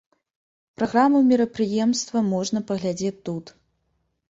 Праграму мерапрыемства можна паглядзець тут.